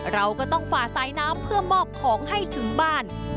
เราก็ต้องฝ่าสายน้ำเพื่อมอบของให้ถึงบ้าน